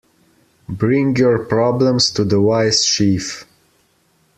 Bring your problems to the wise chief.